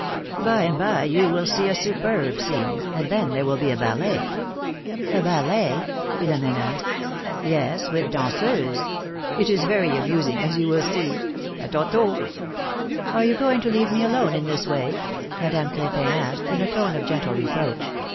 By and by you will see a superb scene, and then there will be a ballet." ballet?" Philomene asked. Yes, with danseuses. It is very amusing, as you will see! dtantdt!^^ ^^Are you going to leave me alone in this way?" Mad ame Crepiii asked, in a tone of gentle reproach.